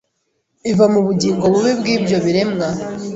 Iva mu bugingo bubi bwibyo biremwa